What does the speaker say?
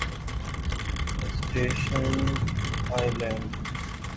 ascension island